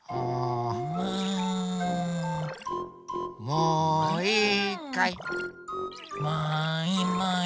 もういいかい？もいもい。